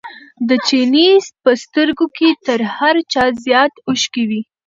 د چیني په سترګو کې تر هر چا زیات اوښکې وې.